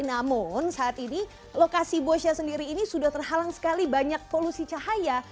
namun saat ini lokasi bosya sendiri ini sudah terhalang sekali banyak polusi cahaya